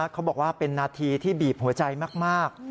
เขาบอกว่าเป็นนาทีที่บีบหัวใจมาก